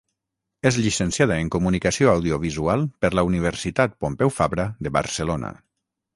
És llicenciada en Comunicació audiovisual per la Universitat Pompeu Fabra de Barcelona.